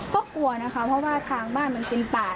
ก็กลัวนะคะเพราะว่าทางบ้านมันเป็นป่า